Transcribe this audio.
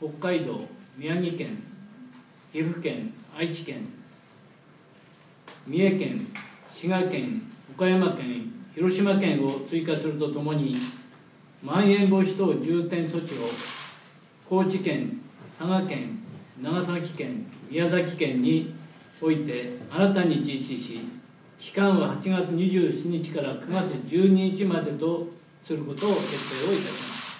北海道、宮城県、岐阜県、愛知県、三重県、滋賀県、岡山県、広島県を追加するとともにまん延防止等重点措置を高知県、佐賀県、長崎県、宮崎県において新たに実施し期間は８月２７日から９月１２日までとすることを決定することといたしました。